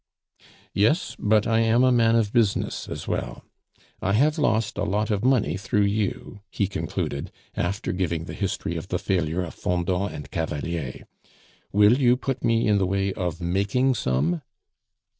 "Yes; but I am a man of business as well. I have lost a lot of money through you," he concluded, after giving the history of the failure of Fendant and Cavalier, "will you put me in the way of making some?"